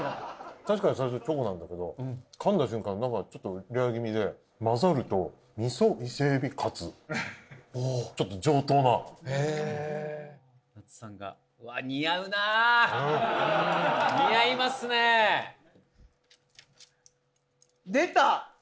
確かに最初チョコなんだけどかんだ瞬間中ちょっとレア気味で混ざると味噌伊勢海老カツちょっと上等なへえなつさんがうわ似合うな似合いますね出た！